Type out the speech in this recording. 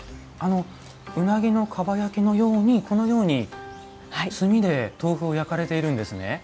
うなぎのかば焼きのようにこのように炭で豆腐を焼かれているんですね。